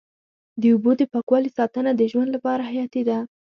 د اوبو د پاکوالي ساتنه د ژوند لپاره حیاتي ده.